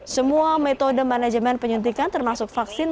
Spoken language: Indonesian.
semua metode manajemen penyuntikan termasuk vaksin